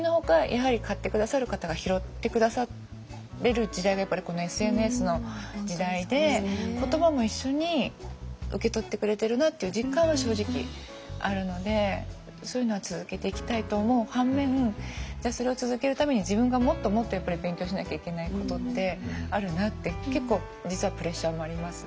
やはり買って下さる方が拾って下される時代がやっぱりこのＳＮＳの時代で言葉も一緒に受け取ってくれてるなっていう実感は正直あるのでそういうのは続けていきたいと思う反面じゃあそれを続けるために自分がもっともっとやっぱり勉強しなきゃいけないことってあるなって結構実はプレッシャーもあります。